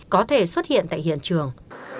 có thể xuất hiện tại hiện trường